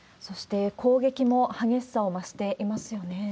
そして、攻撃も激しさを増していますよね。